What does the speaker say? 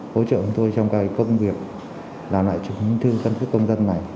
hỗ trợ chúng tôi trong các công việc làm lại chứng thức cân cước công dân này